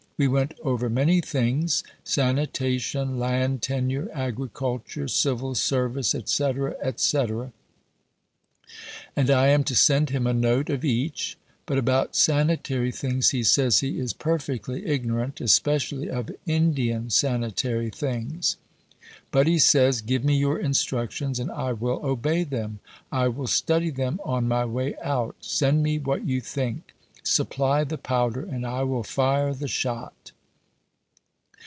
We went over many things Sanitation, Land Tenure, Agriculture, Civil Service, etc. etc. And I am to send him a Note of each. But about sanitary things he says he is perfectly ignorant, especially of Indian sanitary things. But he says, 'Give me your instructions and I will obey them. I will study them on my way out. Send me what you think. Supply the powder and I will fire the shot.'